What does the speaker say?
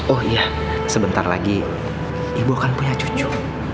oh iya sebentar lagi ibu akan punya cucu